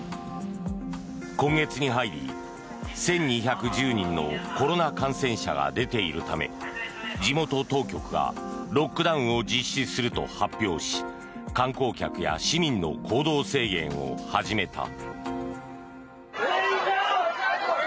今月に入り、１２１０人のコロナ感染者が出ているため地元当局がロックダウンを実施すると発表し観光客や市民の行動制限を始めた。